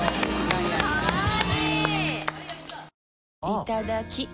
いただきっ！